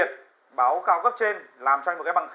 anh bảo không được nói chuyện với anh